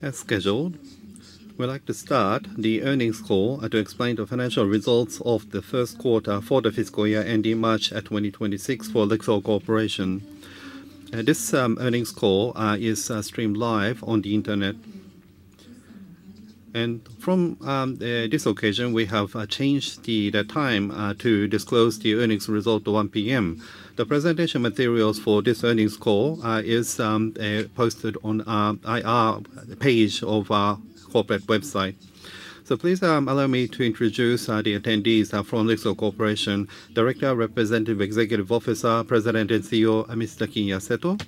As scheduled, we'd like to start the earnings call to explain the financial results of the first quarter for the fiscal year ending March 2026 for LIXIL Corporation. This earnings call is streamed live on the Internet and from this occasion we have changed the time to disclose the earnings result. 1:00 P.M. the presentation materials for this earnings call is posted on IR page of our corporate website. Please allow me to introduce the attendees from LIXIL Corporation: Director, Representative Executive Officer, President and CEO, Mr. Kinya Seto; Executive Officer,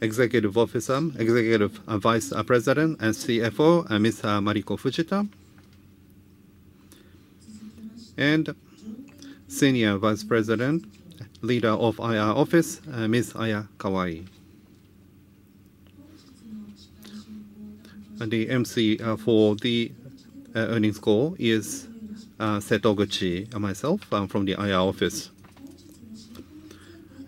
Executive Vice President and CFO, Ms. Mariko Fujita; and Senior Vice President, Leader of IR Office, Ms. Aya Kawai. The MC for the earnings call is Set Oguchi, myself from the IR office,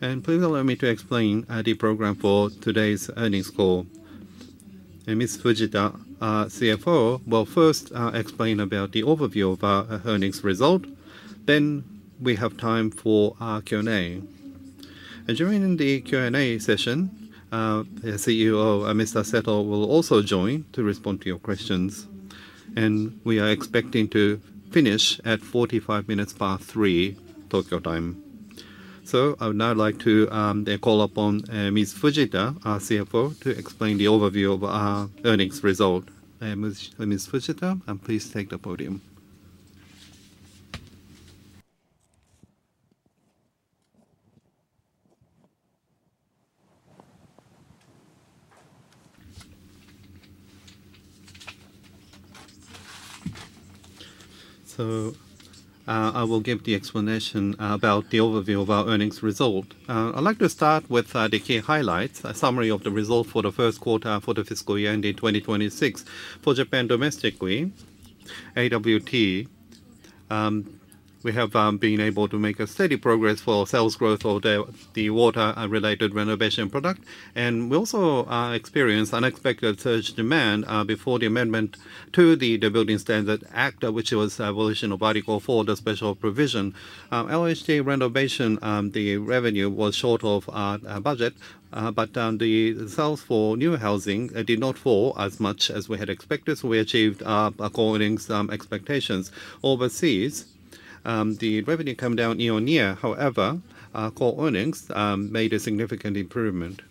and please allow me to explain the program for today's earnings call. Ms. Fujita, CFO, will first explain about the overview of our earnings result. We will then have time for our Q and A. During the Q and A session, the CEO and Mr. Seto will also join to respond to your questions. We are expecting to finish at 3:45 P.M. Tokyo time. I would now like to call upon Ms. Fujita, our CFO, to explain the overview of our earnings result. I am Ms. Fujita and please take the podium so I will give the explanation about the overview of our earnings result. I'd like to start with the key highlights. A summary of the results for the first quarter for the fiscal year ending 2026 for Japan domestically, we have been able to make steady progress for sales growth of the water related renovation product and we also experienced unexpected surge demand before the amendment to the Building Standard Act, which was abolition of Article 4, the Special Provision. The revenue was short of budget but the sales for new housing did not fall as much as we had expected. We achieved according some expectations. Overseas, the revenue come down year on year. However, core earnings made a significant improvement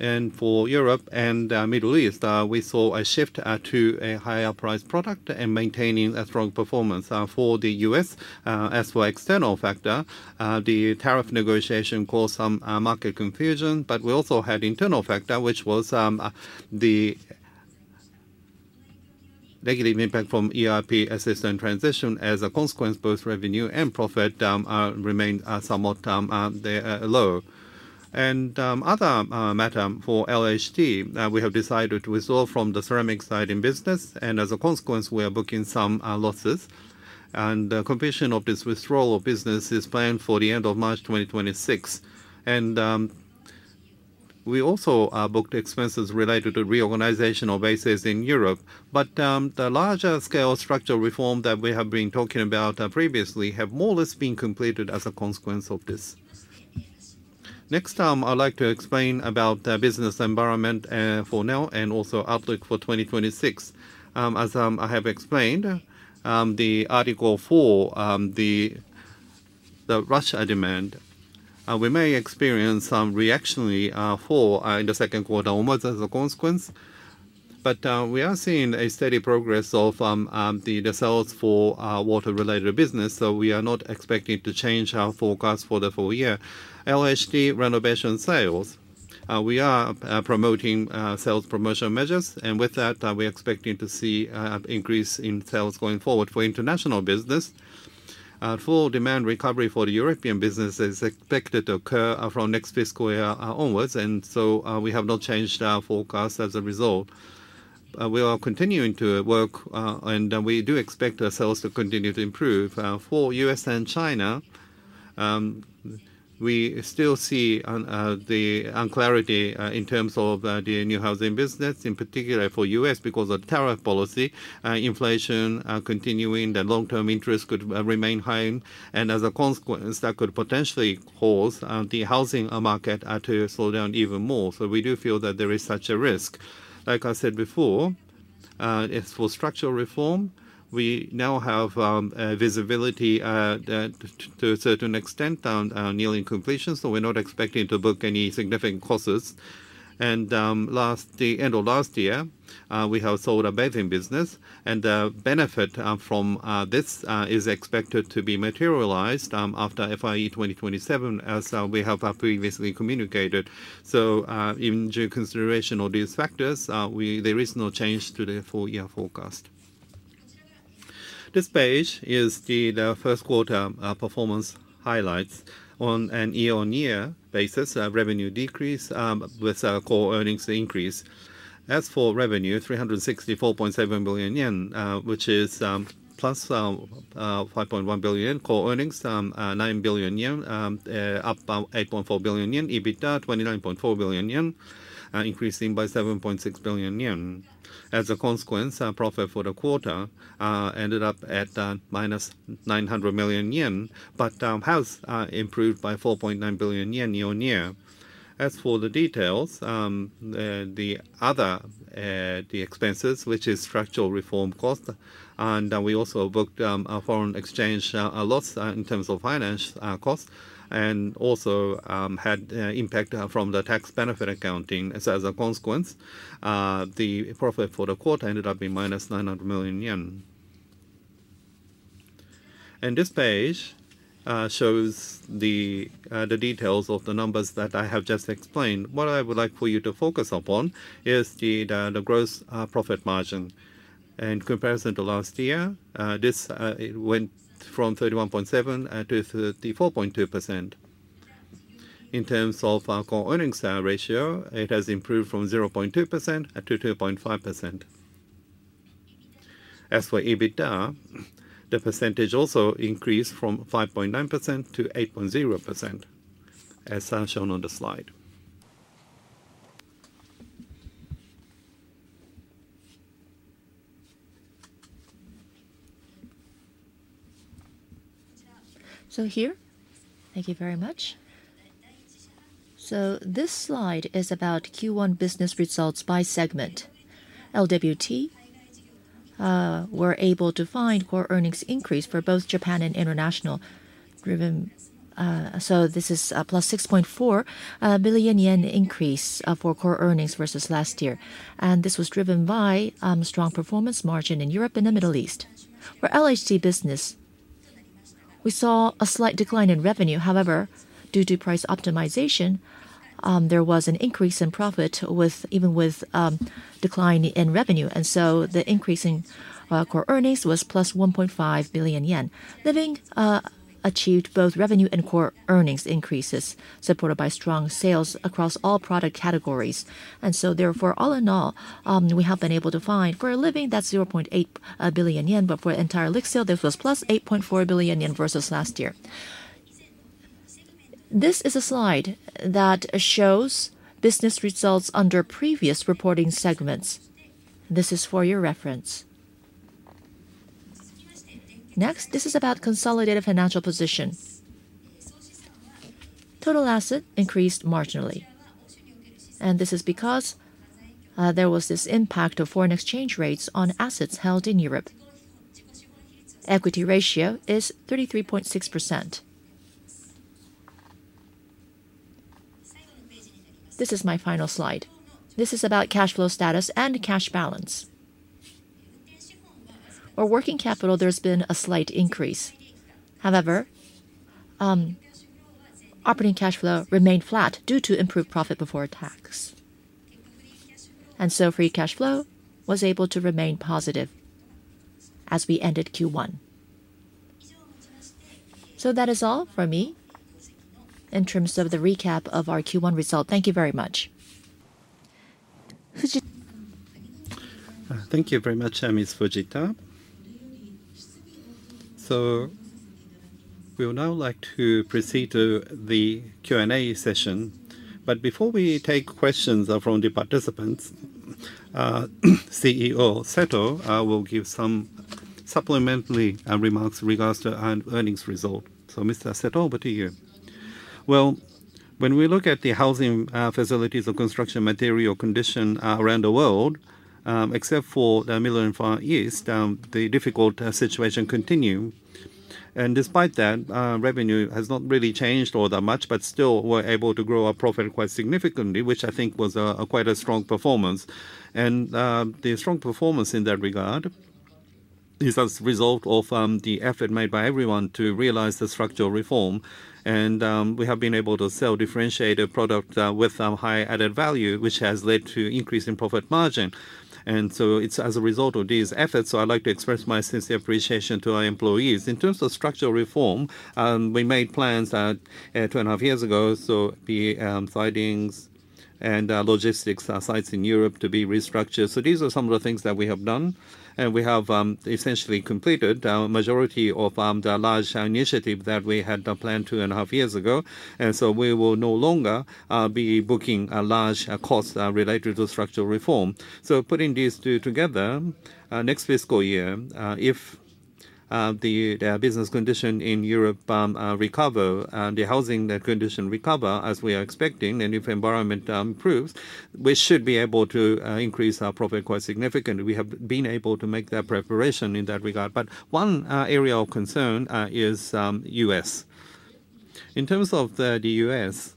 and for Europe and Middle East we saw a shift to a higher priced product and maintaining a strong performance. For the U.S., as for external factor, the tariff negotiation caused some market confusion but we also had internal factor which was the negative impact from ERP system transition. As a consequence, both revenue and profit remained somewhat low. Another matter for LHT, we have decided to withdraw from the ceramic siding business, and as a consequence, we are booking some losses. Completion of this withdrawal of business is planned for the end of March 2026, and we also booked expenses related to reorganization of bases in Europe. The larger scale structural reform that we have been talking about previously has more or less been completed as a consequence of this. Next, I'd like to explain about the business environment for now and also outlook for 2026. As I have explained, regarding the article 4, the Russia demand, we may experience some reactionary fall in the second quarter almost as a consequence, but we are seeing a steady progress of the sales for water related business, so we are not expecting to change our forecast for the full year. LHT renovation sales, we are promoting sales promotion measures, and with that, we're expecting to see increase in sales going forward for international business. Full demand recovery for the European business is expected to occur from next fiscal year onwards, and we have not changed our forecast. As a result, we are continuing to work, and we do expect ourselves to continue to improve. For U.S. and China, we still see the unclarity in terms of the new housing business. In particular for U.S., because of tariff policy, inflation continuing, the long-term interest could remain high, and as a consequence, that could potentially cause the housing market to slow down even more. We do feel that there is such a risk. Like I said before, it's for structural reform. We now have visibility to a certain extent, nearly completion, so we're not expecting to book any significant costs. At the end of last year, we have sold a bathing business, and benefit from this is expected to be materialized after FY 2027 as we have previously communicated. Even due consideration of these factors, there is no change to the full year forecast. This page is the first quarter performance highlights. On a year-on-year basis, revenue decrease with core earnings increase. As for revenue, ¥364.7 billion, which is plus ¥5.1 billion. Core earnings ¥9 billion, up ¥8.4 billion. EBITDA ¥29.4 billion, increasing by ¥7.6 billion. As a consequence, profit for the quarter ended up at minus ¥900 million but has improved by ¥4.9 billion year on year. As for the details, the other expenses, which is structural reform cost, and we also booked foreign exchange loss in terms of finance costs and also had impact from the tax benefit accounting. As a consequence, the profit for the quarter ended up being -¥900 million, and this page shows the details of the numbers that I have just explained. What I would like for you to focus upon is the gross profit margin. In comparison to last year, this went from 31.7% to 34.2%. In terms of our core earnings ratio, it has improved from 0.2% to 2.5%. As for EBITDA, the percentage also increased from 5.9% to 8.0% as shown on the slide. Thank you very much. This slide is about Q1 business results by segment. LWT were able to find core earnings increase for both Japan and international. This is a ¥6.4 billion increase for core earnings versus last year, and this was driven by strong performance margin in Europe and the Middle East. For LHC business, we saw a slight decline in revenue. However, due to price optimization, there was an increase in profit even with decline in revenue. The increase in core earnings was ¥1.5 billion. Living achieved both revenue and core earnings increases supported by strong sales across all product categories. Therefore, all in all, we have been able to find for Living that's ¥0.8 billion. For entire LIXIL, this was a ¥8.4 billion increase versus last year. This is a slide that shows business results under previous reporting segments. This is for your reference. Next, this is about consolidated financial position. Total assets increased marginally, and this is because there was this impact of foreign exchange rates on assets held in Europe. Equity ratio is 33.6%. This is my final slide. This is about cash flow status and cash balance for working capital. There's been a slight increase. However, operating cash flow remained flat due to improved profit before tax. Free cash flow was able to remain positive as we ended Q1. That is all for me in terms of the recap of our Q1 result. Thank you very much. Thank you very much, Ms. Fujita. We would now like to proceed to the Q and A session. Before we take questions from the participants, CEO Seto will give some supplementary remarks regarding the earnings result. Mr. Seto, over to you. When we look at the housing facilities or construction material condition around the world, except for the Middle East and Far East, the difficult situation continues. Despite that, revenue has not really changed all that much, but still we're able to grow our profit quite significantly, which I think was quite a strong performance. The strong performance in that regard is as a result of the effort made by everyone to realize the structural reform. We have been able to sell differentiated product with high added value, which has led to increase in profit margin. As a result of these efforts, I'd like to express my sincere appreciation to our employees. In terms of structural reform, we made plans two and a half years ago, so the sidings and logistics sites in Europe to be restructured. These are some of the things that we have done and we have essentially completed majority of the large initiatives that we had planned two and a half years ago. We will no longer be booking large costs related to structural reform. Putting these two together, next fiscal year, if the business condition in Europe recovers, the housing condition recovers as we are expecting, and if environment improves, we should be able to increase our profit quite significantly. We have been able to make that preparation in that regard. One area of concern is the U.S. In terms of the U.S.,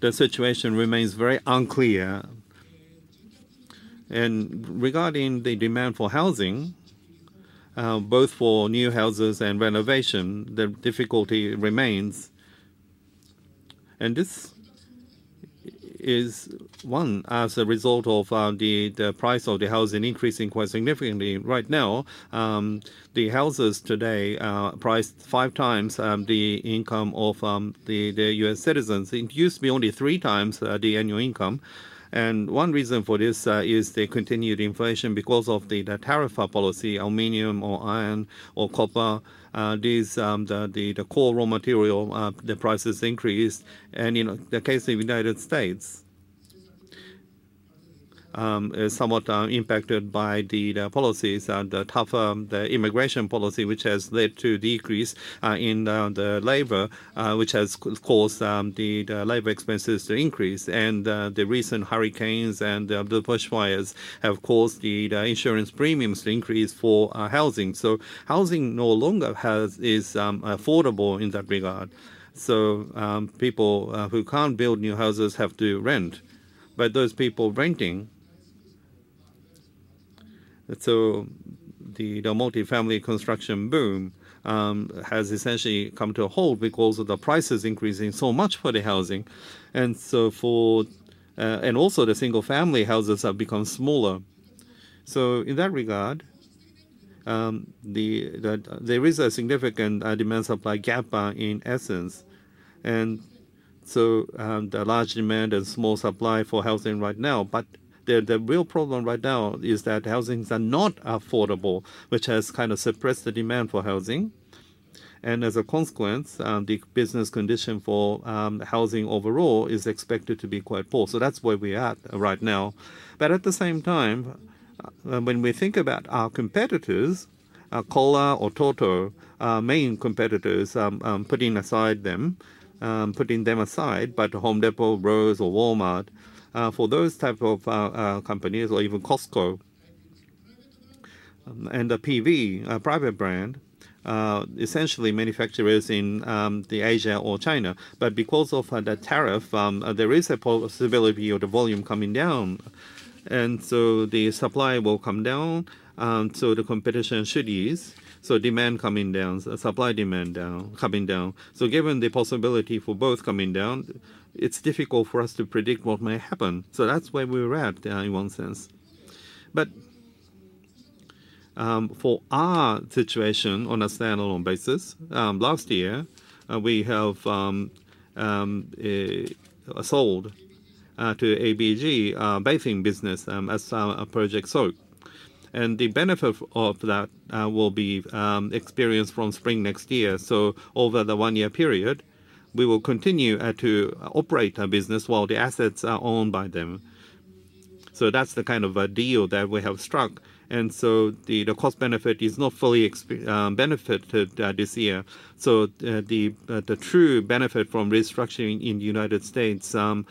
the situation remains very unclear. Regarding the demand for housing, both for new houses and renovation, the difficulty remains, and this is one as a result of the price of the housing increasing quite significantly. Right now the houses today are priced five times the income of the U.S. citizens. It used to be only three times the annual income. One reason for this is the continued inflation because of the tariff policy. Aluminum or iron or copper, these, the core raw material, the prices increase. In the case of United States, somewhat impacted by the policies. The tougher immigration policy, which has led to decrease in the labor, which has caused the labor expenses to increase. The recent hurricanes and the bushfires have caused the insurance premiums to increase for housing. Housing is no longer affordable in that regard. People who can't build new houses have to rent, but those people are renting. The multifamily construction boom has essentially come to a halt because of the prices increasing so much for the housing. Also, the single family houses have become smaller. In that regard, there is a significant demand-supply gap in essence. There is large demand and small supply for housing right now. The real problem right now is that housing is not affordable, which has kind of suppressed the demand for housing. As a consequence, the business condition for housing overall is expected to be quite poor. That's where we are right now. At the same time, when we think about our competitors, Kohler or Toto, main competitors, putting them aside, Home Depot, Lowe's, or Walmart, for those types of companies, or even Costco and the PB private brand, essentially manufacturers in Asia or China, because of that tariff there is a possibility of the volume coming down. The supply will come down, so the competition should ease. Demand coming down, supply coming down. Given the possibility for both coming down, it's difficult for us to predict what may happen. That's where we're at in one sense. For our situation on a standalone basis, last year we have sold to ABG Bathing business as a project. The benefit of that will be experienced from spring next year. Over the one year period, we will continue to operate our business while the assets are owned by them. That's the kind of a deal that we have struck. The cost benefit is not fully benefited this year. The true benefit from restructuring in the U.S.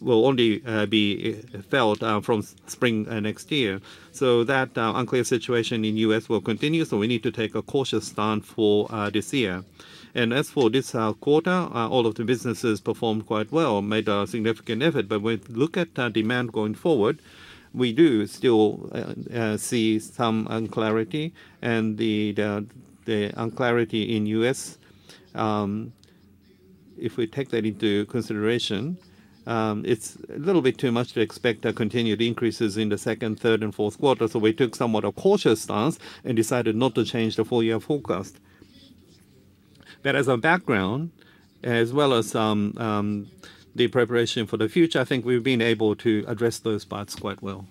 will only be felt from spring next year. That unclear situation in the U.S. will continue, so we need to take a cautious stance for this year. As for this quarter, all of the businesses performed quite well, made a significant effort, but when we look at demand going forward, we do still see some clarity and the unclarity in the U.S. If we take that into consideration, it's a little bit too much to expect continued increases in the second, third, and fourth quarter. We took somewhat of a cautious stance and decided not to change the full year forecast. As a background as well as the preparation for the future, I think we've been able to address those parts quite well.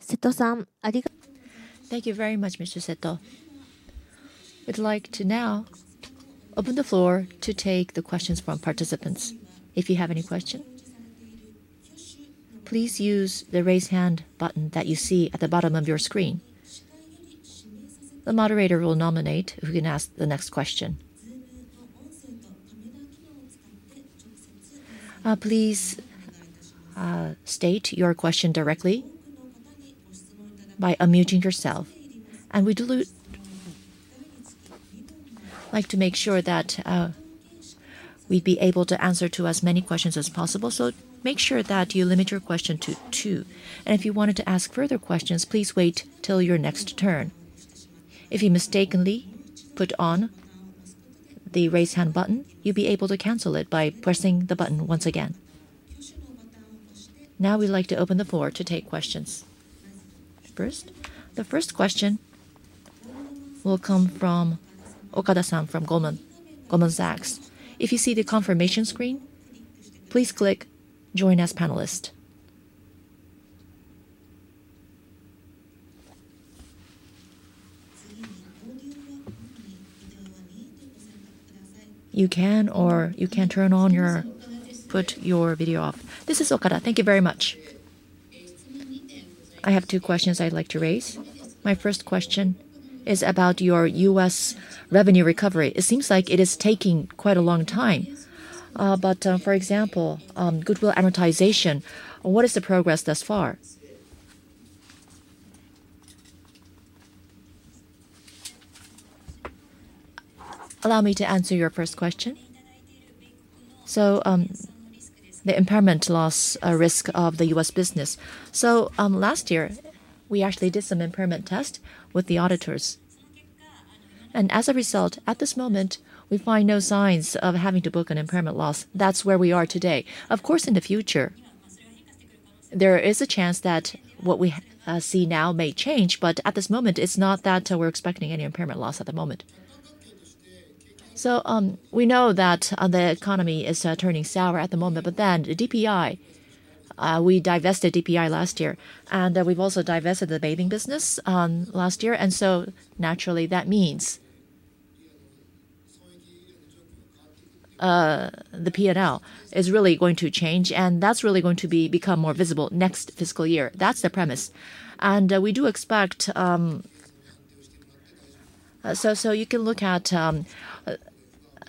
Thank you very much, Mr. Seto. We'd like to now open the floor to take the questions from participants. If you have any question, please use the raise hand button that you see at the bottom of your screen. The moderator will nominate who can ask the next. Please state your question directly by unmuting yourself. We do like to make sure that we'd be able to answer to as many questions as possible, so make sure that you limit your question to two, and if you wanted to ask further questions, please wait till your next turn. If you mistakenly put on the raise hand button, you'll be able to cancel it by pressing the button once again. Now we'd like to open the floor to take questions first. The first question will come from Okada-san from Goldman Sachs. If you see the confirmation screen, please click Join as panelist. You can, or you can turn on your, put your video off. This is Okada. Thank you very much. I have two questions I'd like to raise. My first question is about your U.S. revenue recovery. It seems like it is taking quite a long time, but for example goodwill amortization, what is the progress thus far? Allow me to answer your first question. The impairment loss risk of the U.S. business. Last year we actually did some impairment test with the auditors and as a result at this moment we find no signs of having to book an impairment loss. That's where we are today. Of course, in the future there is a chance that what we see now may change. At this moment it's not that we're expecting any impairment loss at the moment. We know that the economy is turning sour at the moment. DPI, we divested DPI last year and we've also divested the bathing business last year. Naturally that means the P&L is really going to change and that's really going to become more visible next fiscal year. That's the premise and we do expect so. You can look at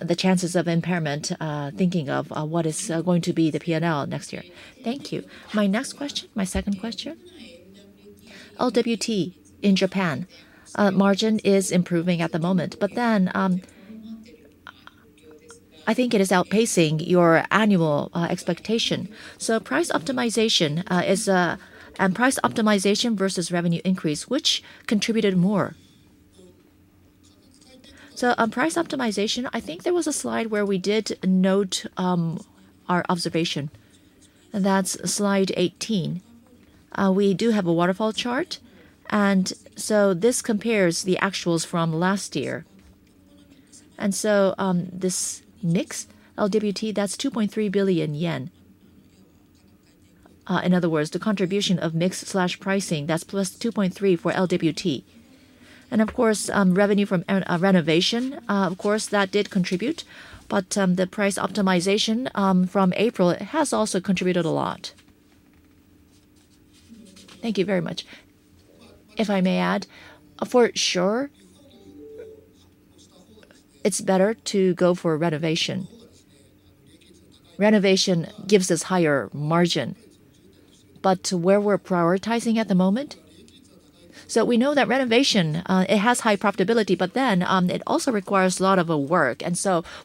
the chances of impairment thinking of what is going to be the P&L next year. Thank you. My next question, my second question. LWT in Japan margin is improving at the moment, but then I think it is outpacing your annual expectation. Price optimization is, and price optimization versus revenue increase, which contributed more? On price optimization, I think there was a slide where we did note our observation. That's slide 18. We do have a waterfall chart. This compares the actuals from last year and this mix LWT, that's ¥2.3 billion. In other words, the contribution of mix pricing, that's plus ¥2.3 billion for LWT. Of course, revenue from renovation did contribute, but the price optimization from April has also contributed a lot. Thank you very much. If I may add, for sure it's better to go for renovation. Renovation gives us higher margin, but we're prioritizing at the moment, so we know that renovation has high profitability, but then it also requires a lot of work.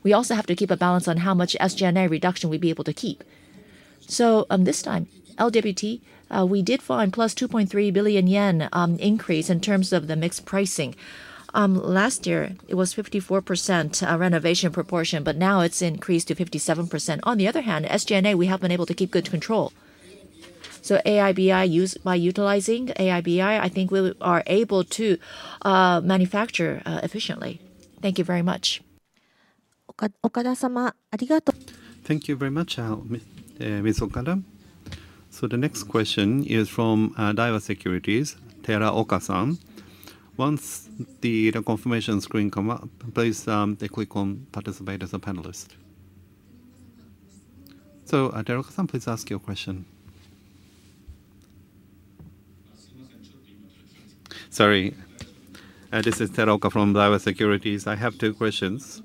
We also have to keep a balance on how much SG&A reduction we'd be able to keep. This time, LWT did find a plus ¥2.3 billion increase in terms of the mix pricing. Last year, it was 54% renovation proportion, but now it's increased to 57%. On the other hand, SG&A, we have been able to keep good control. AIBI, by utilizing AIBI, I think we are able to manufacture efficiently. Thank you very much. Thank you very much, Miss Okada. The next question is from Daiwa Securities, Teru Okasan. Once the confirmation screen comes up, please click on participate as a panelist. Please ask your question. Sorry, this is Teruka from Daiwa Securities. I have two questions.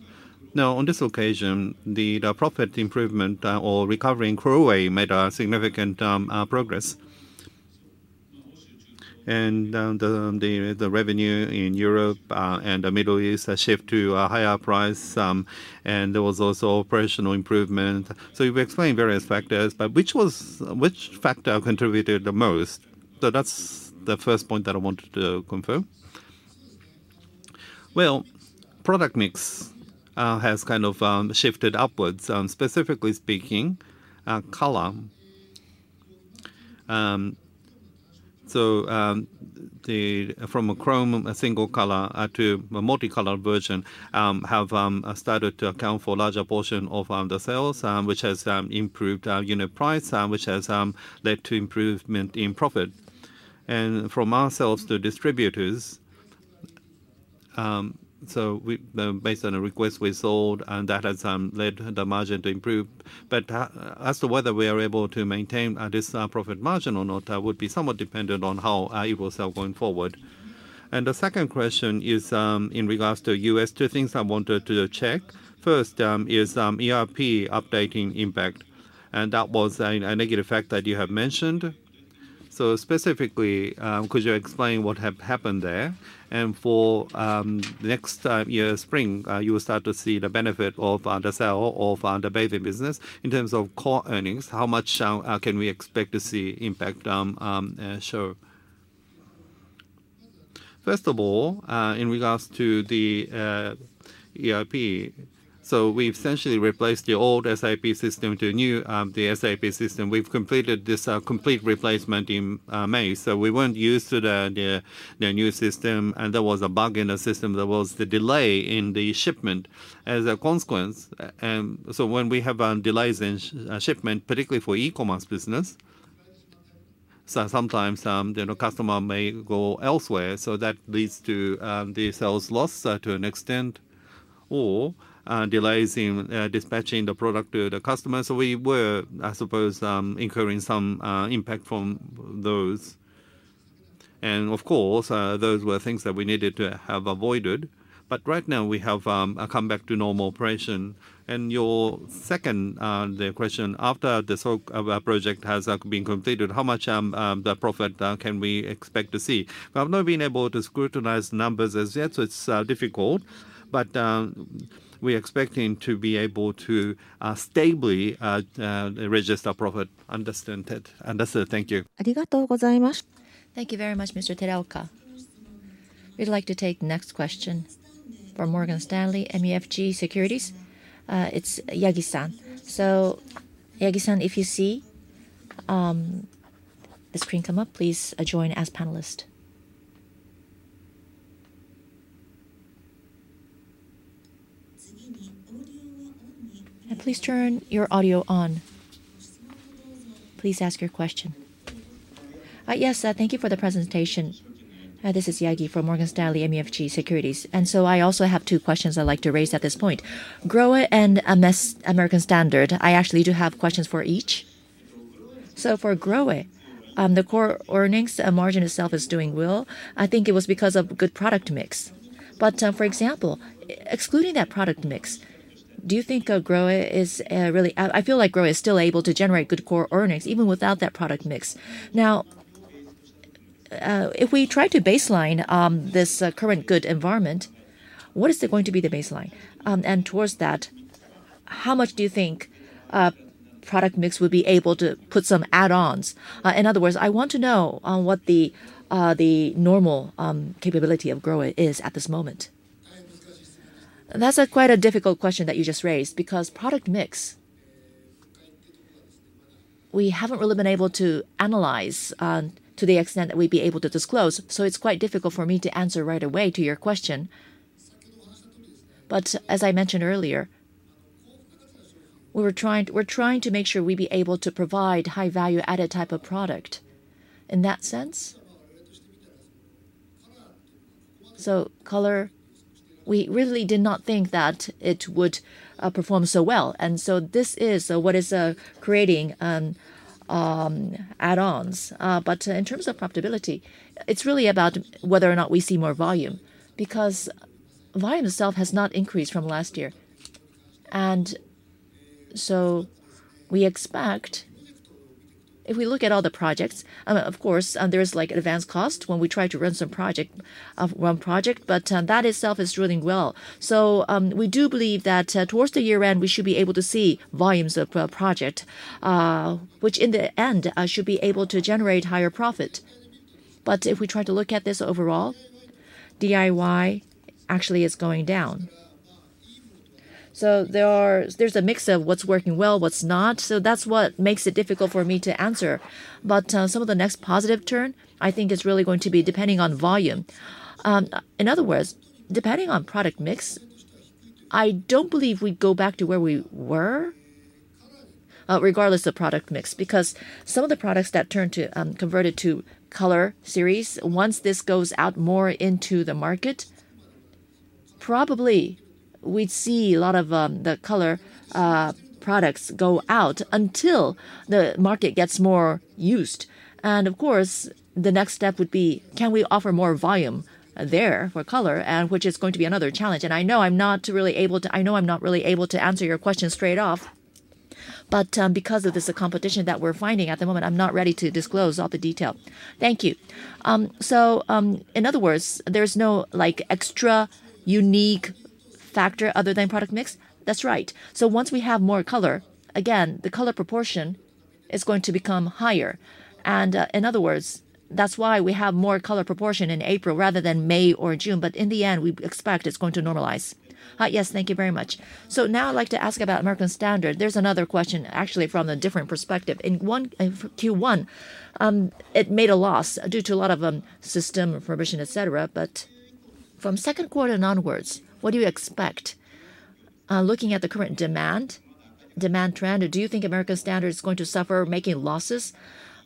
On this occasion, the profit improvement or recovery in GROHE made significant progress, and the revenue in Europe and the Middle East shifted to a higher price, and there was also operational improvement. You've explained various factors, but which factor contributed the most? That's the first point that I wanted to confirm. Product mix has kind of shifted upwards. Specifically speaking, color. From a chrome single color to a multicolored version has started to account for a larger portion of the sales, which has improved unit price, which has led to improvement in profit. From ourselves to distributors, based on the request, we sold, and that has led the margin to improve. As to whether we are able to maintain this profit margin or not would be somewhat dependent on how it will sell going forward. The second question is in regards to the U.S. Two things I wanted to check. First is ERP updating impact, and that was a negative fact that you have mentioned. Specifically, could you explain what happened there? For next year spring, you will start to see the benefit of the sale of the bathing business. In terms of core earnings, how much can we expect to see impact show? First of all, in regards to the ERP, we essentially replaced the old SAP system to the new SAP system. We've completed this complete replacement in May, so we weren't used to the new system, and there was a bug in the system. There was a delay in the shipment as a consequence. When we have delays in shipment, particularly for e-commerce business, sometimes customers may go elsewhere, so that leads to the sales loss to an extent or delays in dispatching the product to the customer. We were incurring some impact from those, and of course those were things that we needed to have avoided, but right now we have come back to normal operation. Your second question, after the project has been completed, how much profit can we expect to see? We have not been able to scrutinize numbers as yet, so it's difficult, but we are expecting to be able to stably register profit, understand it, and that's it. Thank you. Thank you very much, Mr. Teraoka. We'd like to take the next question from Morgan Stanley MUFG Securities. It's Yagi-san. Yagi-san, if you please. The. Screen come up please join as panelists. Please turn your audio on. Please ask your question. Yes, thank you for the presentation. This is Yagi from Morgan Stanley MUFG Securities and I also have two questions I'd like to raise at this point. GROHE and American Standard. I actually do have questions for each. For GROHE, the core earnings margin itself is doing well. I think it was because of good product mix, but for example, excluding that product mix, do you think GROHE is really, I feel like GROHE is still able to generate good core earnings even without that product mix. Now if we try to baseline this current good environment, what is going to be the baseline? Towards that, how much do you think product mix would be able to put some add-ons? In other words, I want to know what the normal capability of GROHE is at this moment. That's quite a difficult question that you just raised because product mix, we haven't really been able to analyze to the extent that we'd be able to disclose. It's quite difficult for me to answer right away to your question. As I mentioned earlier, we're trying to make sure we are able to provide high value-added type of product in that sense. Color, we really did not think that it would perform so well, and this is what is creating add-ons. In terms of profitability, it's really about whether or not we see more volume because volume itself has not increased from last year. We expect if we look at all the projects, of course there's advanced cost when we try to run some project, but that itself is doing well. We do believe that towards the year end we should be able to see volumes of projects, which in the end should be able to generate higher profit. If we try to look at this overall, DIY actually is going down. There is a mix of what's working well and what's not. That's what makes it difficult for me to answer. Some of the next positive turn I think is really going to be depending on volume, in other words, depending on product mix. I don't believe we go back to where we were regardless of product mix because some of the products that turned to converted to color series, once this goes out more into the market, probably we'd see a lot of the color products go out until the market gets more used. The next step would be can we offer more volume there for color, which is going to be another challenge. I know I'm not really able to answer your question straight off, but because of this competition that we're finding at the moment, I'm not ready to disclose all the detail. Thank you. In other words, there's no extra unique factor other than product mix. That's right. Once we have more color, again the color proportion is going to become higher. In other words, that's why we have more color proportion in April rather than May or June. In the end, we expect it's going to normalize. Yes, thank you very much. Now I'd like to ask about American Standard. There's another question actually from a different perspective. In Q1 it made a loss due to a lot of system prohibition, etc. From second quarter and onwards, what do you expect looking at the current demand trend? Do you think American Standard is going to suffer making losses?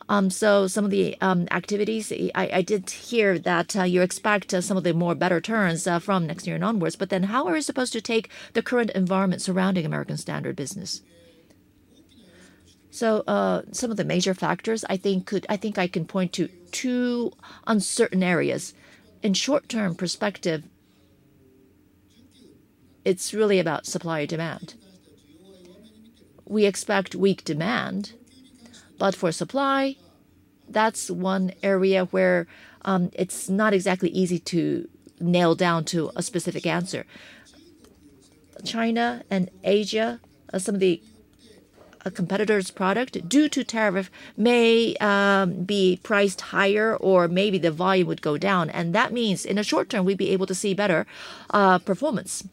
Some of the activities, I did hear that you expect some of the better turns from next year and onwards. How are you supposed to take the surrounding American Standard business? Some of the major factors I think could, I think I can point to two uncertain areas. In short-term perspective, it's really about supply and demand. We expect weak demand, but for supply that's one area where it's not exactly easy to nail down to a specific answer. China and Asia, some of the competitors' product due to tariffs may be priced higher or maybe the volume would go down, and that means in the short term we'd be able to see better performance.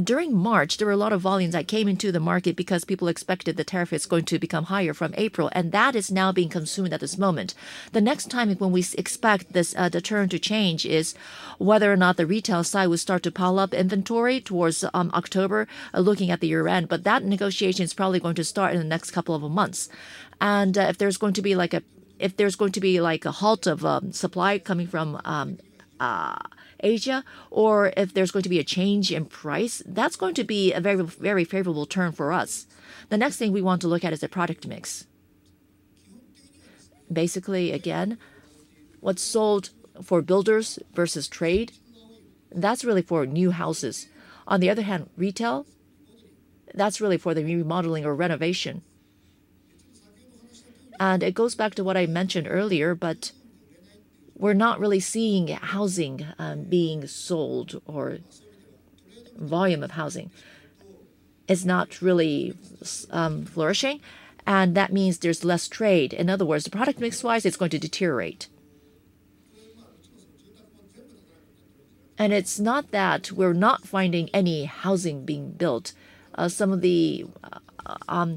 During March there were a lot of volumes that came into the market because people expected the tariff is going to become higher from April, and that is now being consumed at this moment. The next time when we expect this, the term to change is whether or not the retail side will start to pile up inventory towards October looking at the year end. That negotiation is probably going to start in the next couple of months. If there's going to be a halt of supply coming from Asia or if there's going to be a change in price, that's going to be a very, very favorable turn for us. The next thing we want to look at is the product mix. Basically, again what's sold for builders versus trade, that's really for new houses. On the other hand, retail, that's really for the remodeling or renovation and it goes back to what I mentioned earlier. We're not really seeing housing being sold or volume of housing is not really flourishing, and that means there's less trade. In other words, the product mix wise, it's going to deteriorate. It's not that we're not finding any housing being built. Some of the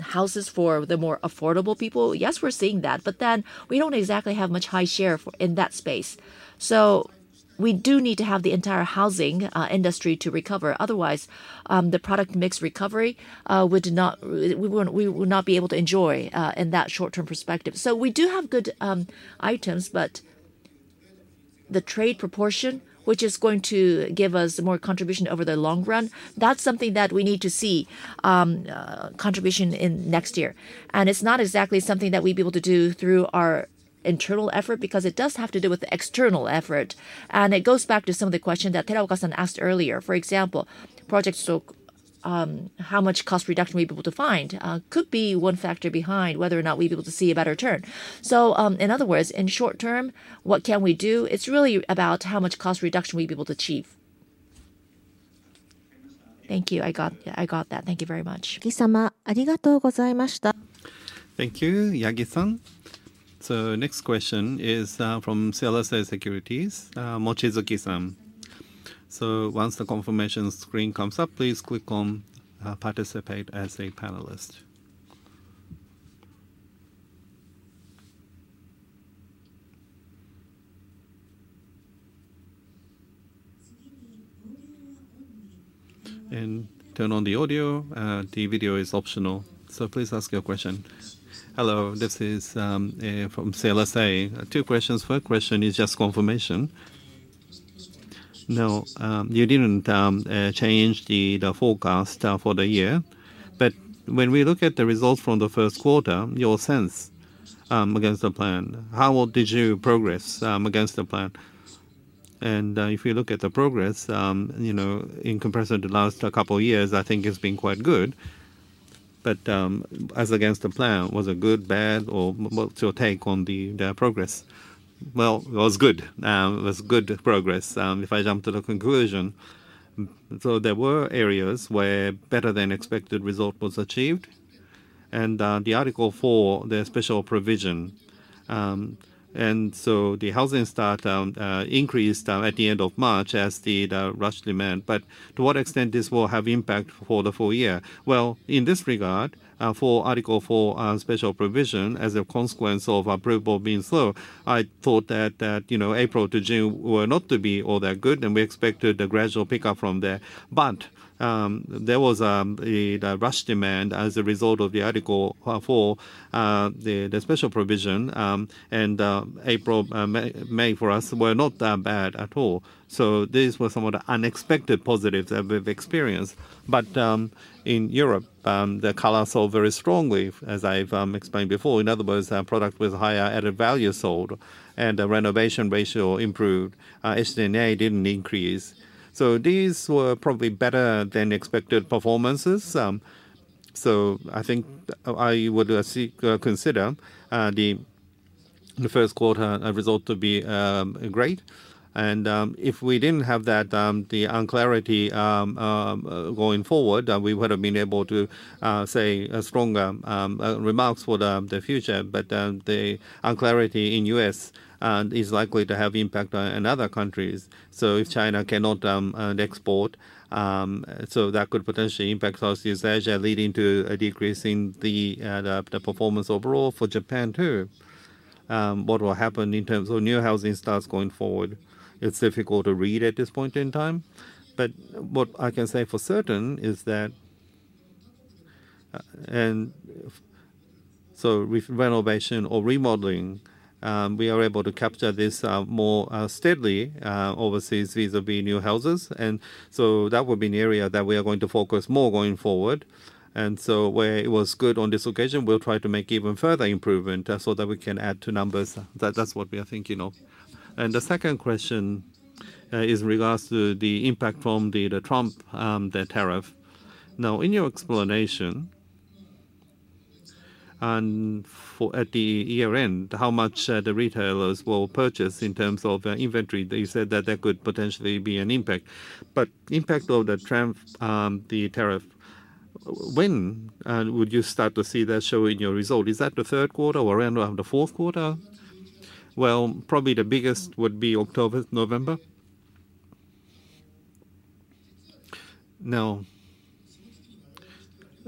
houses for the more affordable people, yes, we're seeing that, but then we don't exactly have much high share in that space. We do need to have the entire housing industry recover. Otherwise, the product mix recovery would not, we would not be able to enjoy in that short term perspective. We do have good items, but the trade proportion, which is going to give us more contribution over the long run, that's something that we need to see contribution in next year. It's not exactly something that we'd be able to do through our internal effort because it does have to do with the external effort. It goes back to some of the questions that Terahoka-san asked earlier. For example, project, so how much cost reduction we're able to find could be one factor behind whether or not we'll be able to see a better turn. In short term, what can we do? It's really about how much cost reduction we'd be able to achieve. Thank you. I got that. Thank you very much. Thank you. Yagi-san. Next question is from CLSA Securities, Mochizuki-san. Once the confirmation screen comes up, please click on participate as a panelist and turn on the audio. The video is optional, so please ask your question. Hello, this is from CLSA. Two questions. First question is just confirmation. No, you didn't change the forecast for the year. When we look at the results from the first quarter, your sense against the plan, how did you progress against the plan? If you look at the progress, in comparison to the last couple of years, I think it's been quite good. As against the plan, was it good, bad, or what's your take on the progress? It was good, good progress, if I jump to the conclusion. There were areas where better than expected result was achieved and the Article 4, the special provision. The housing start increased at the end of March as did rush demand. To what extent this will have impact for the full year? In this regard for Article 4 special provision, as a consequence of approval being slow, I thought that April to June were not to be all that good and we expected a gradual pickup from there. There was rush demand as a result of the Article 4, the special provision, and April, May for us were not that bad at all. These were some of the unexpected positives that we've experienced. In Europe, the color sold very strongly as I've explained before. In other words, product with higher added value sold, and the renovation ratio improved, HDA didn't increase. These were probably better than expected performances. I think I would consider the first quarter result to be great. If we didn't have that unclarity going forward, we would have been able to say a stronger remarks for the future. The unclarity in the U.S. is likely to have impact on other countries. If China cannot export, that could potentially impact Southeast Asia, leading to a decrease in the performance overall for Japan too. What will happen in terms of new housing starts going forward? It's difficult to read at this point in time, but what I can say for certain is that renovation or remodeling, we are able to capture this more steadily overseas vis-à-vis new houses. That would be an area that we are going to focus more going forward. Where it was good on this occasion, we'll try to make even further improvement so that we can add to numbers. That's what we are thinking of. The second question is in regards to the impact from the Trump tariff. In your explanation at the year end, how much the retailers will purchase in terms of inventory, they said that there could potentially be an impact. The impact of the tariff, when would you start to see that show in your result? Is that the third quarter or around the fourth quarter? Probably the biggest would be October, November.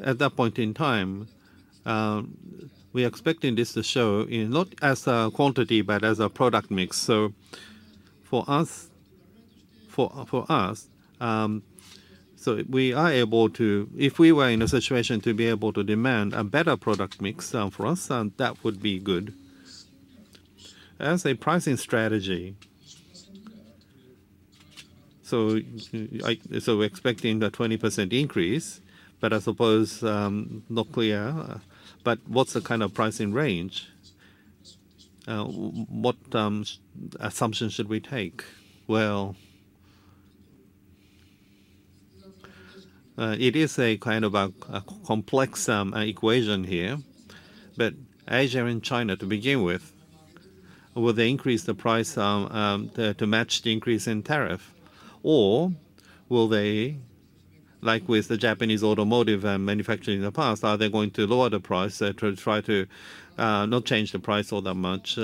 At that point in time, we are expecting this to show not as a quantity but as a product mix. For us, we are able to, if we were in a situation to be able to demand a better product mix for us, that would be good as a pricing strategy. We're expecting a 20% increase, but I suppose it's not clear. What's the kind of pricing range? What assumption should we take? It is a kind of a complex equation here, but Asia and China to begin with, will they increase the price to match the increase in tariff or will they, like with the Japanese automotive manufacturing in the past, are they going to lower the price to try to not change the price all that much?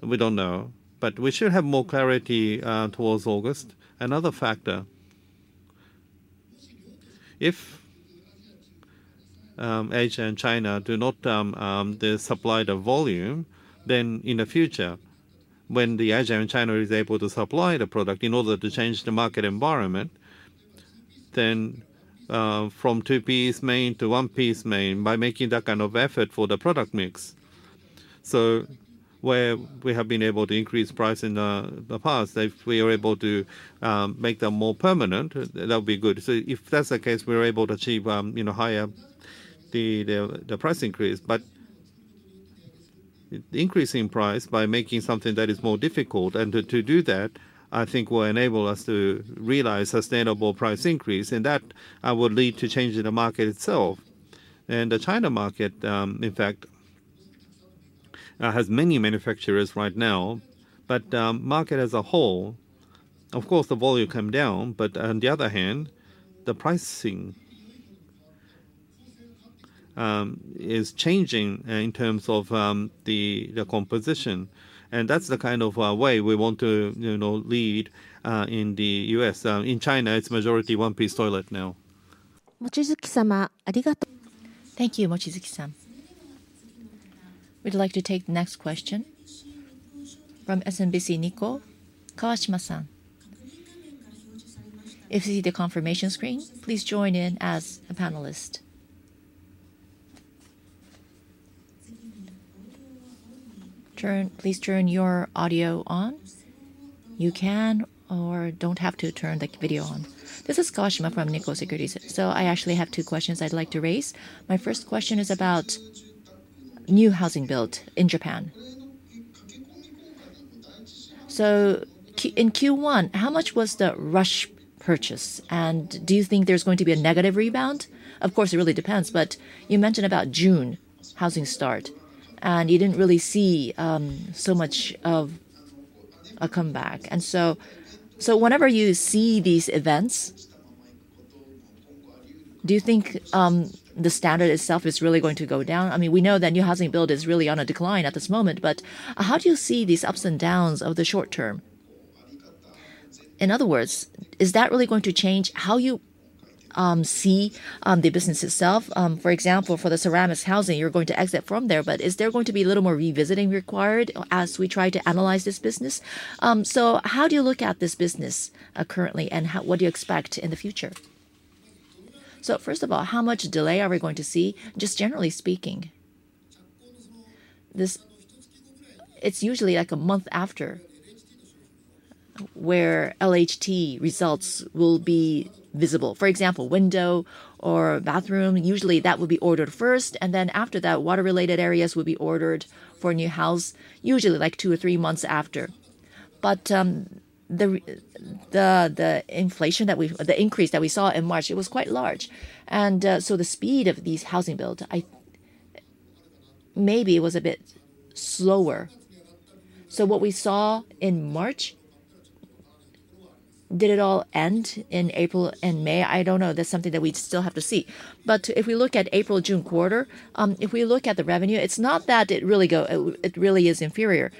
We don't know. We should have more clarity towards August. Another factor, if Asia and China do not supply the volume, then in the future when Asia and China are able to supply the product in order to change the market environment, then from two piece main to one piece main by making that kind of effort for the product mix. Where we have been able to increase price in the past, we are able to make them more permanent. That would be good. If that's the case, we're able to achieve higher price increase. Increasing price by making something that is more difficult, and to do that I think will enable us to realize sustainable price increase and that would lead to change in the market itself. The China market in fact has many manufacturers right now, but market as a whole, of course the volume came down. On the other hand, the pricing is changing in terms of the composition and that's the kind of way we want to lead in the U.S. In China, it's majority one piece toilet now. We'd like to take the next question from SMBC Nikko, Kawashima-san. If you see the confirmation screen, please join in as a panelist. Please turn your audio on. You can or don't have to turn the video on. This is Kawashima from Nikko Securities. I actually have two questions I'd like to raise. My first question is about new housing built in Japan. In Q1, how much was the rush purchase and do you think there's going to be a negative rebound? Of course, it really depends. You mentioned June housing start and you didn't really see so much of a comeback. Whenever you see these events, do you think the standard itself is really going to go down? We know that new housing build is really on a decline at this moment, but how do you see these ups and downs of the short term? In other words, is that really going to change how you see the business itself? For example, for the ceramic siding, you're going to exit from there, but is there going to be a little more revisiting required as we try to analyze this business? How do you look at this business currently and what do you expect in the future? First of all, how much delay are we going to see? Generally speaking, it's usually like a month after where LHT results will be visible. For example, window or bathroom usually would be ordered first and then after that water related areas will be ordered for a new house, usually like two or three months after. The inflation that we, the increase that we saw in March, it was quite large and the speed of these housing builds maybe was a bit slower. What we saw in March, did it all end in April and May? I don't know. That's something that we still have to see. If we look at the April-June quarter, if we look at the revenue, it's not that it really is inferior.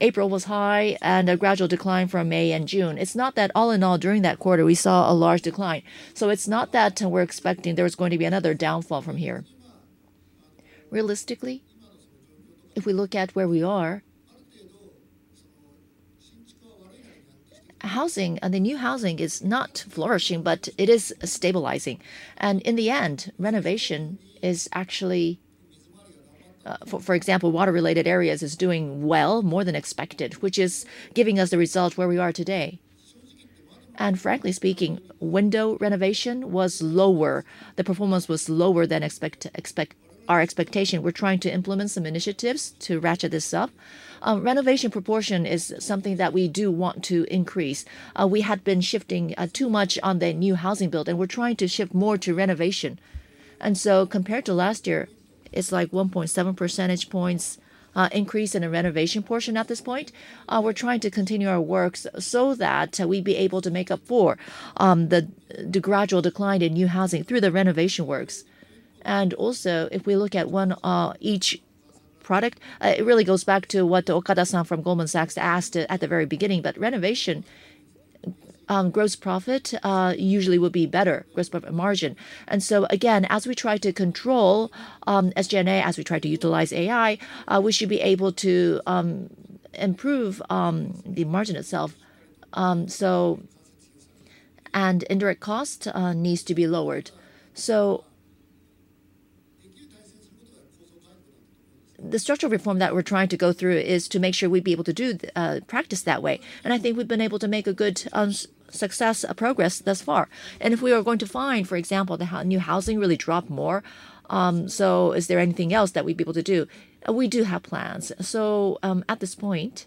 April was high and a gradual decline from May and June. It's not that all in all during that quarter we saw a large decline. It's not that we're expecting there was going to be another downfall from here. Realistically, if we look at where we. Are. Housing and the new housing is not flourishing, but it is stabilizing, and in the end, renovation is actually, for example, water related areas is doing well, more than expected, which is giving us the result where we are today. Frankly speaking, window renovation was lower, the performance was lower than expected. We're trying to implement some initiatives to ratchet this up. Renovation proportion is something that we do want to increase. We had been shifting too much on the new housing build, and we're trying to shift more to renovation. Compared to last year, it's like 1.7 percentage points increase in a renovation portion. At this point, we're trying to continue our works so that we'd be able to make up for the gradual decline in new housing through the renovation works. Also, if we look at each product, it really goes back to what Okada-san from Goldman Sachs asked at the very beginning. Renovation gross profit usually will be better gross profit margin. Again, as we try to control SG&A, as we try to utilize AI, we should be able to improve the margin itself. Indirect cost needs to be lowered. The structural reform that we're trying to go through is to make sure we'd be able to do practice that way. I think we've been able to make a good success progress thus far. If we are going to find, for example, the new housing really drop more, is there anything else that we'd be able to do? We do have plans. At this point,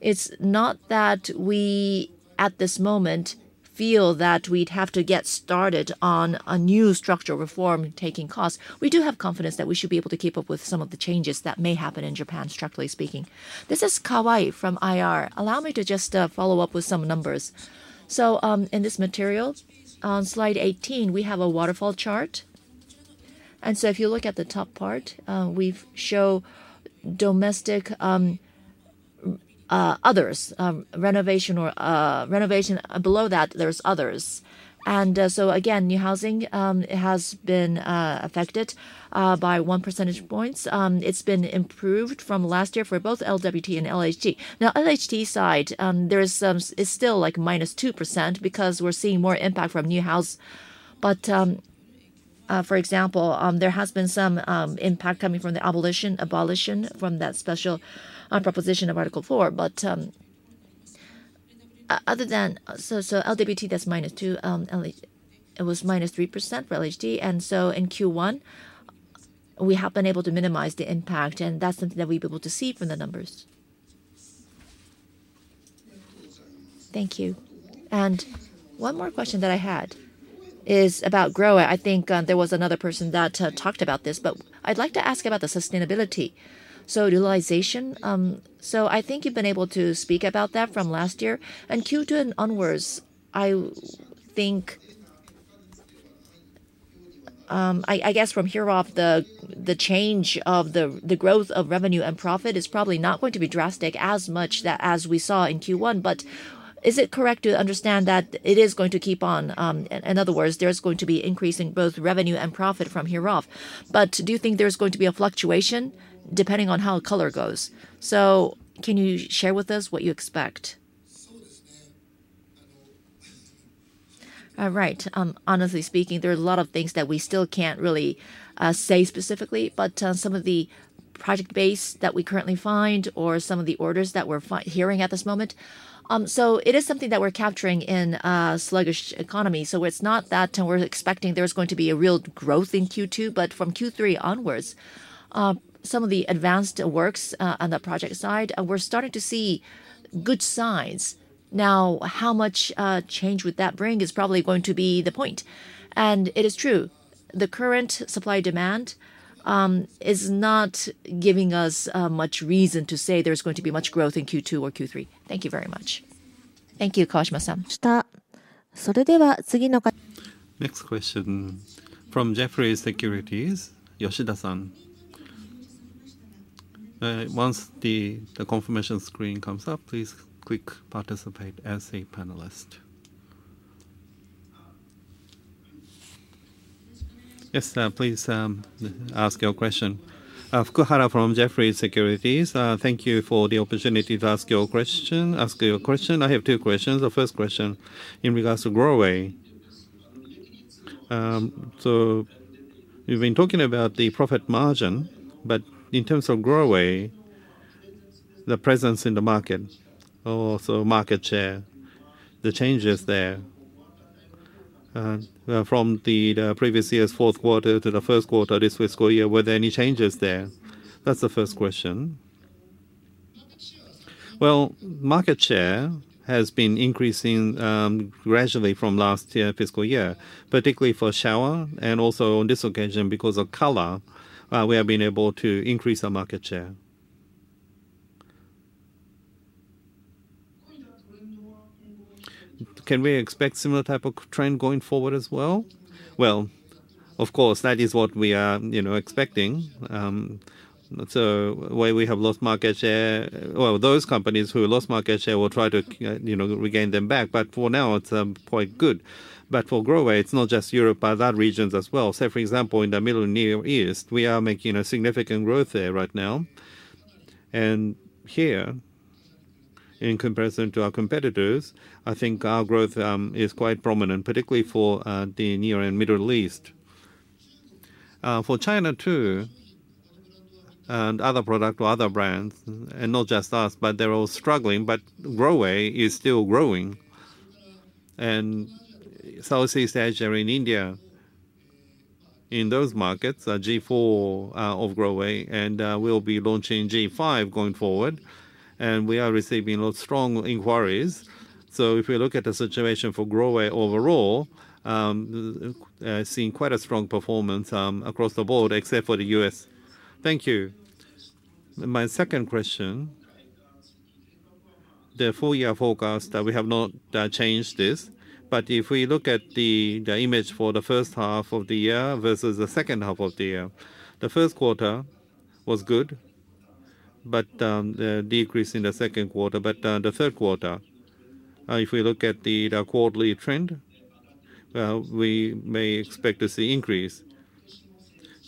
it's not that we at this moment feel that we'd have to get started on a new structural reform taking cost. We do have confidence that we should be able to keep up with some of the changes that may happen in Japan, structurally speaking. This is Kawai from IR. Allow me to just follow up with some numbers. In this material on slide 18, we have a waterfall chart. If you look at the top part, we show domestic others renovation or renovation, below that there's others. Again, new housing has been affected by 1 percentage point. It's been improved from last year for both LWT and LHD. Now, LHT side, there is some, is still like minus 2% because we're seeing more impact from new house. For example, there has been some impact coming from the abolition from that special proposition of Article 4. Other than that, LWT, that's minus 2%, it was minus 3% for LHD. In Q1 we have been able to minimize the impact, and that's something that we've been able to see from the numbers. Thank you. One more question that I had is about GROHE. I think there was another person that talked about this, but I'd like to ask about the sustainability, so utilization. I think you've been able to speak about that from last year and Q2 and onwards. I guess from here, the change of the growth of revenue and profit is probably not going to be as drastic as we saw. Is it correct to understand that it is going to keep on? In other words, there's going to be increasing both revenue and profit from here. Do you think there's going to be a fluctuation depending on how color goes? Can you share with us what you expect? Right. Honestly speaking, there are a lot of things that we still can't really say specifically, but some of the project base that we currently find or some of the orders that we're hearing at this moment, it is something that we're capturing in a sluggish economy. It's not that we're expecting there's going to be real growth in Q2, but from Q3 onwards, some of the advanced works on the project side, we're starting to see good signs now. How much change that would bring is probably going to be the point, and it is true the current supply demand is not giving us much reason to say there's going to be much growth in Q2 or Q3. Thank you very much. Thank you. Next question from Jefferies Securities, Yoshida-san. Once the confirmation screen comes up, please click participate as a panelist. Yes, please ask your question. Fukuhara from Jefferies Securities, thank you for the opportunity to ask your question. I have two questions. The first question is in regards to GROHE. You've been talking about the profit margin, but in terms of GROHE, the presence in the market, also market share, the changes there from the previous year's fourth quarter to the first quarter this fiscal year. Were there any changes there? That's the first question. Market share has been increasing gradually from last fiscal year, particularly for shower, and also on this occasion because of color, we have been able to increase our market share. Can we expect a similar type of trend going forward as well? Of course, that is what we are expecting. Where we have lost market share, those companies who lost market share will try to regain them back, but for now it's quite good. For GROHE, it's not just Europe but that region as well. For example, in the Middle East, we are making significant growth there right now, and here in comparison to our competitors, I think our growth is quite prominent, particularly for the Near and Middle East, for China too, and other products or other brands, and not just us but they're all struggling. GROHE is still growing, and Southeast Asia, in India, in those markets, G4 of GROHE, and we'll be launching G5 going forward, and we are receiving a lot of strong inquiries. If we look at the situation for GROHE overall, we are seeing quite a strong performance across the board except for the U.S. Thank you. My second question, the full year forecast, we have not changed this. If we look at the image for the first half of the year versus the second half of the year, the first quarter was good, but the decrease in the second quarter, but the third quarter, if we look at the quarterly trend, we may expect to see an increase.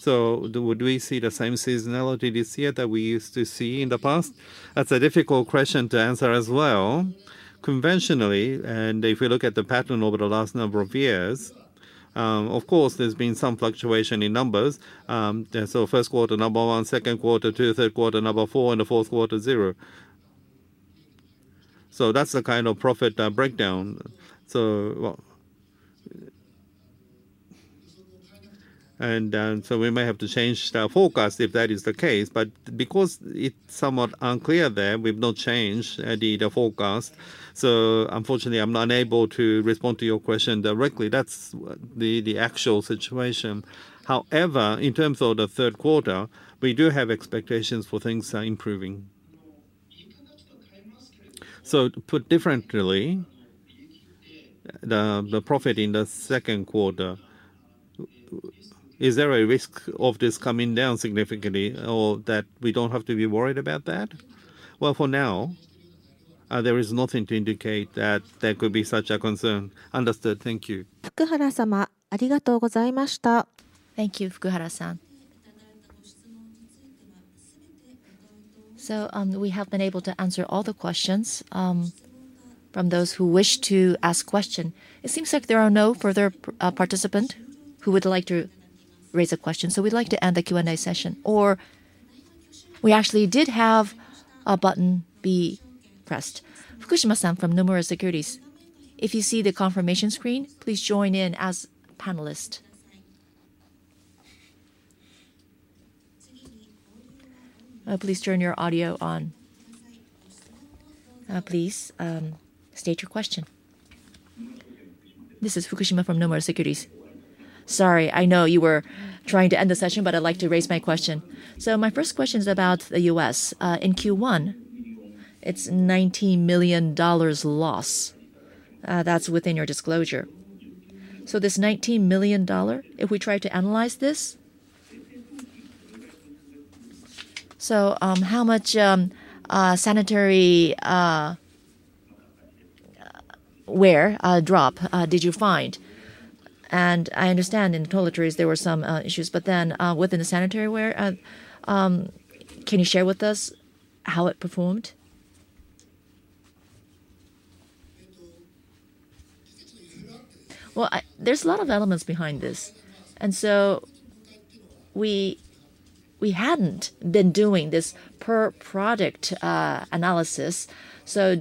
Would we see the same seasonality this year that we used to see in the past? That's a difficult question to answer as well. Conventionally, if we look at the pattern over the last number of years, of course there's been some fluctuation in numbers. First quarter number one, second quarter two, third quarter number four, in the fourth quarter zero. That's the kind of profit breakdown, and we may have to change the forecast if that is the case. Because it's somewhat unclear there, we've not changed the forecast. Unfortunately, I'm not able to respond to your question directly. That's the actual situation. However, in terms of the third quarter, we do have expectations for things improving. Put differently, the profit in the second quarter, is there a risk of this coming down significantly or that we don't have to be worried about that? For now, there is nothing to indicate that there could be such a concern. Understood. Thank you. Thank you. We have been able to answer all the questions from those who wish to ask a question. It seems like there are no further participants who would like to raise a question. We'd like to end the Q&A session. Actually, we did have a button be pressed. Fukushima-san from Nomura Securities, if you see the confirmation screen, please join in as a panelist. Please turn your audio on. Please state your question. This is Fukushima from Nomura Securities. Sorry, I know you were trying to end the session, but I'd like to raise my question. My first question is about the U.S. in Q1. It's a $19 million loss. That's within your disclosure. This $19 million, if we try to analyze this, how much sanitary ware drop did you find? I understand in toiletries there were some issues, but then within the sanitary ware, can you share with us how it performed? There are a lot of elements behind this. We hadn't been doing this per product analysis, so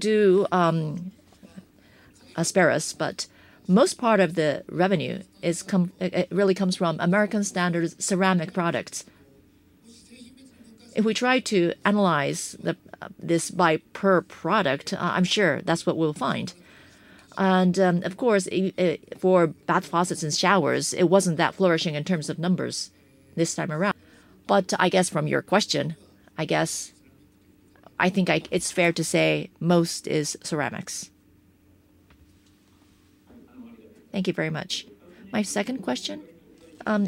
apologies, but most part of the revenue comes from American Standard ceramic products. If we try to analyze this by product, I'm sure that's what we'll find. For bath faucets and showers, it wasn't that flourishing in terms of numbers this time around. From your question, I think it's fair to say most is ceramics. Thank you very much. My second question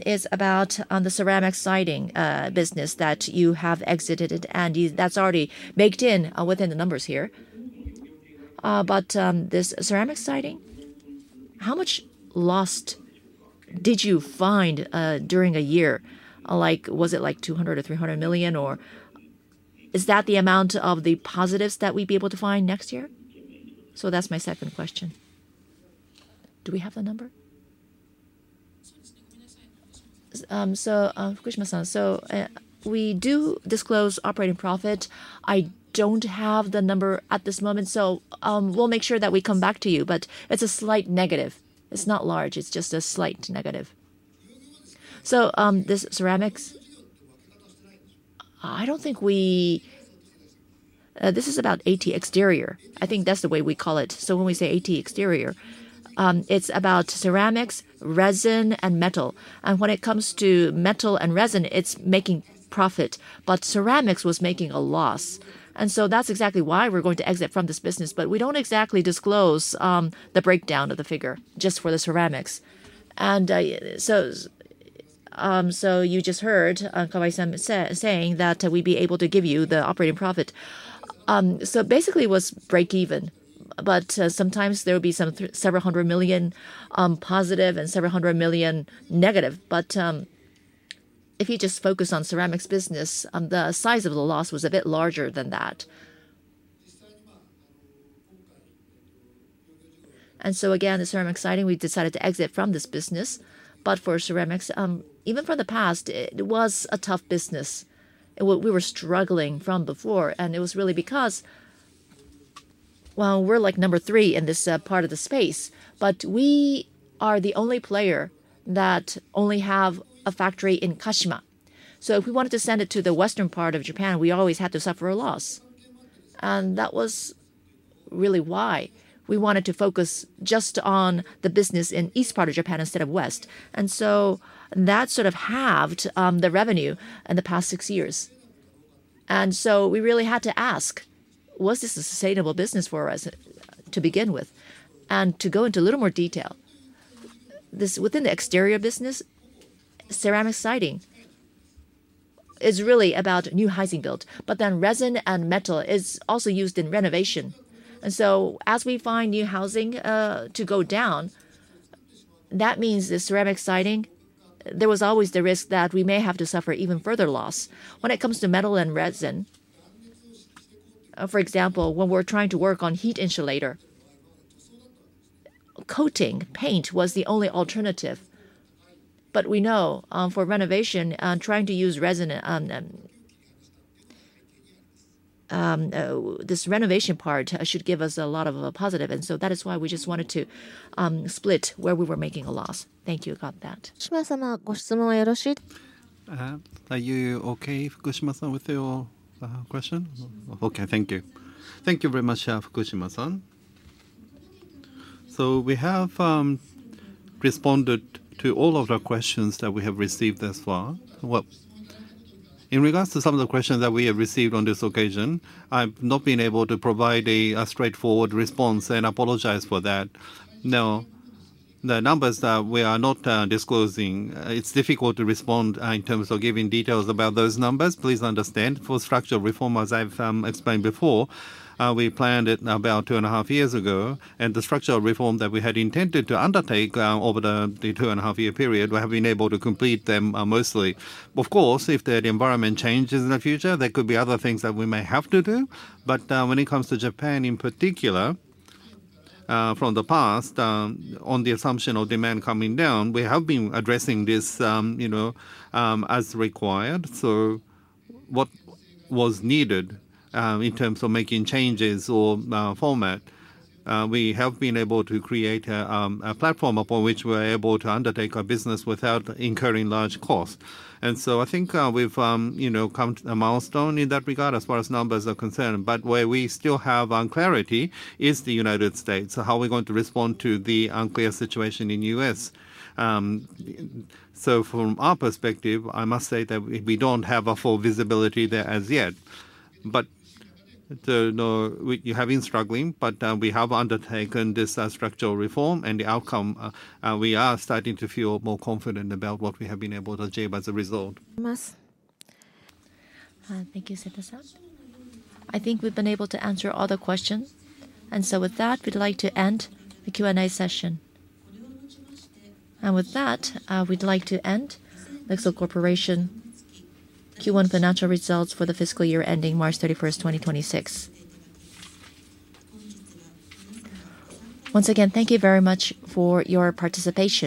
is about the ceramic siding business that you have exited, and that's already baked in within the numbers here. This ceramic siding, how much loss did you find during a year? Was it like $200 million or $300 million? Or is that the amount of the positives that we'd be able to find next year? That's my second question. Do we have the number? We do disclose operating profit. I don't have the number at this moment, so we'll make sure that we come back to you. It's a slight negative. It's not large, it's just a slight negative. This ceramics, I don't think we—this is about exterior. I think that's the way we call it. When we say exterior, it's about ceramics, resin, and metal. When it comes to metal and resin, it's making profit, but ceramics was making a loss. That's exactly why we're going to exit from this business. We don't exactly disclose the breakdown of the figure just for the ceramics. You just heard Kawai-san saying that we'd be able to give you—the operating profit basically was break even. Sometimes there will be several hundred million positive and several hundred million negative. If you just focus on the ceramics business, the size of the loss was a bit larger than that. The ceramic siding, we decided to exit from this business. For ceramics, even in the past, it was a tough business. We were struggling from before. It was really because we were number three in this part of the space. We are the only player that only has a factory in Kashima. If we wanted to send it to the western part of Japan, we always had to suffer a loss. That was really why we wanted to focus just on the business in the east part of Japan instead of the west. That sort of halved the revenue in the past six years. We really had to ask if this was a sustainable business for us to begin with. To go into a little more detail, within the exterior business, ceramic siding is really about new housing built. Resin and metal are also used in renovation. As we find new housing to go down, that means the ceramic siding. There was always the risk that we may have to suffer even further loss when it comes to metal and resin. For example, when we're trying to work on heat insulator coating, paint was the only alternative. We know for renovation, trying to use resin, this renovation part should give us a lot of positive. That is why we just wanted to split where we were making a loss. Thank you for that. Are you okay with your question? Okay, thank you. Thank you very much, Chef Kushima san. We have responded to all of the questions that we have received thus far. In regards to some of the questions that we have received on this occasion, I've not been able to provide a straightforward response and apologize for that. The numbers that we are not disclosing, it's difficult to respond in terms of giving details about those numbers. Please understand. For structural reform, as I've explained before, we planned it about two and a half years ago, and the structure of reform that we had intended to undertake over the two and a half year period, we have been able to complete them mostly. Of course, if the environment changes in the future, there could be other things that we may have to do. When it comes to Japan in particular, from the past on the assumption of demand coming down, we have been addressing this as required. What was needed in terms of making changes or format, we have been able to create a platform upon which we are able to undertake our business without incurring large costs. I think we've come to a milestone in that regard as far as numbers are concerned. Where we still have clarity is the United States. How are we going to respond to the unclear situation in the U.S.? From our perspective, I must say that we don't have a full visibility there as yet. We have been struggling, but we have undertaken this structural reform and the outcome, we are starting to feel more confident about what we have been able to achieve as a result. Thank you. I think we've been able to answer all the questions. With that, we'd like to end the Q and A session. We'd like to end LIXIL Corporation Q1 financial results for the fiscal year ending March 31, 2026. Once again, thank you very much for your participation.